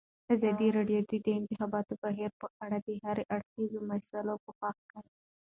ازادي راډیو د د انتخاباتو بهیر په اړه د هر اړخیزو مسایلو پوښښ کړی.